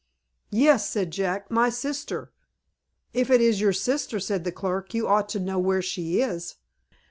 "Yes;" said Jack, "my sister." "If it is your sister," said the clerk, "you ought to know where she is."